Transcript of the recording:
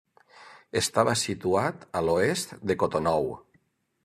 Estava situat a l'oest de Cotonou.